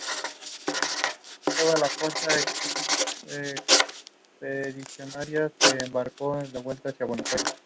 Blasco Ibañez directamente, hasta llegar al Hospital Clínico Universitario.